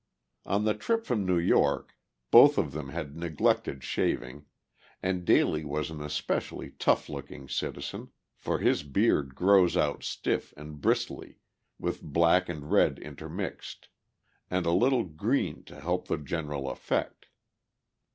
On the trip from New York both of them had neglected shaving, and Daly was an especially tough looking citizen, for his beard grows out stiff and bristly, with black and red intermixed, and a little green to help the general effect.